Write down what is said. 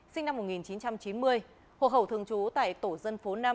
sinh năm một nghìn chín trăm chín mươi hộ khẩu thường trú tại tổ dân phố năm